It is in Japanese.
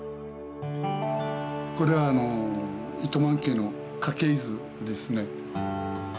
これは糸満家の家系図ですね。